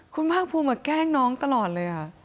คุณภาคภูมิแกล้งน้องตลอดเลย